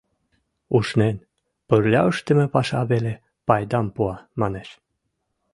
Ушнен, пырля ыштыме паша веле пайдам пуа, манеш.